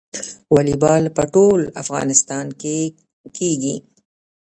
والیبال په ټول افغانستان کې کیږي.